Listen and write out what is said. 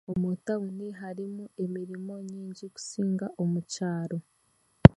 Omu tawuni harimu emirimo nyingi kusinga omu kyaro.